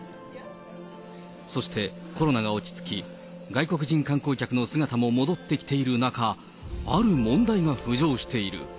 そして、コロナが落ち着き、外国人観光客の姿も戻ってきている中、ある問題が浮上している。